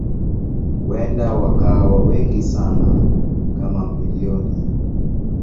Huenda wakawa wengi sana kama milioni.